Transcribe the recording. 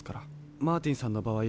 マーティンさんのばあい